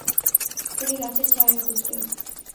তিনি গাছের ছায়ায় বসলেন।